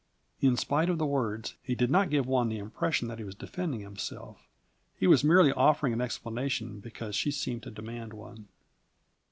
In spite of the words, he did not give one the impression that he was defending himself; he was merely offering an explanation because she seemed to demand one.